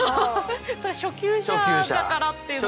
それ初級者だからっていうのも。